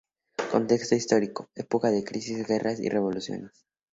Contexto histórico: Época de crisis, guerras y revoluciones.